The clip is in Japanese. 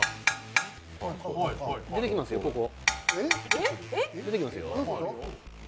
出てきますよ、ここ。